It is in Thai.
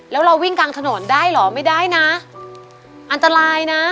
แล้วเราวิ่งกลางถนนได้เหรอไม่ได้นะอันตรายนะ